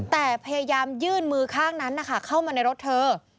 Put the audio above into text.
แต่พยายามยื่นมือข้างนั้นนะคะเข้ามาในรถเธอ